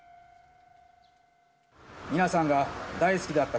皆さんが大好きだった